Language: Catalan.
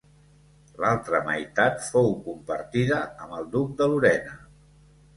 L'altra meitat fou compartida amb el duc de Lorena.